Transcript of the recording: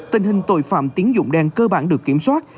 tình hình tội phạm tín dụng đen cơ bản được kiểm soát